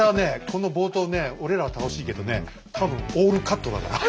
この冒頭ね俺らは楽しいけどね多分オールカットだから。